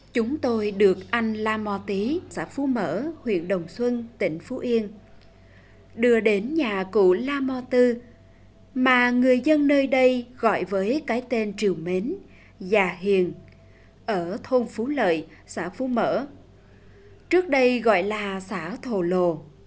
chúng tôi được anh la mo tý xã phú mỡ huyện đồng xuân tỉnh phú yên đưa đến nhà cụ la mo tư mà người dân nơi đây gọi với cái tên triều mến và hiền ở thôn phú lợi xã phú mỡ trước đây gọi là xã thổ lồ